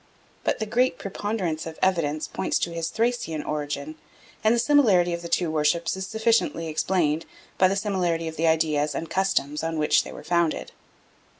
But the great preponderance of evidence points to his Thracian origin, and the similarity of the two worships is sufficiently explained by the similarity of the ideas and customs on which they were founded.